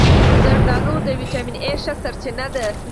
زردآلو د ویټامین A ښه سرچینه ده.